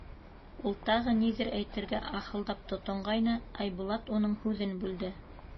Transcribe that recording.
— Ул тағы ниҙер әйтергә ахылдап тотонғайны, Айбулат уның һүҙен бүлде: